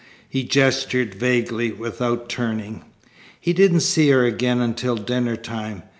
He gestured vaguely, without turning. He didn't see her again until dinner time.